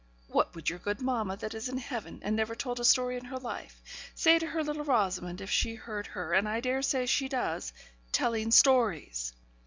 'What would your good mamma, that is in heaven, and never told a story in her life, say to her little Rosamond, if she heard her and I daresay she does telling stories!'